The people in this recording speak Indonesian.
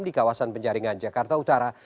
di kawasan penjaringan jakarta utara